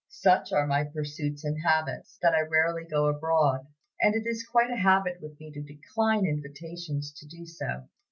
Such are my pursuits and habits, that I rarely go abroad; and it is quite a habit with me to decline invitations to do so.